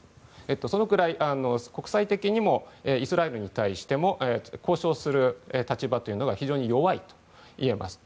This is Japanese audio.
そのくらい国際的にもイスラエルに対しても交渉する立場が非常に弱いといえます。